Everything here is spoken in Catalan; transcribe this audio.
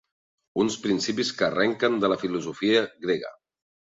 Uns principis que arrenquen de la filosofia grega.